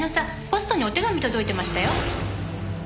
ポストにお手紙届いてましたよ。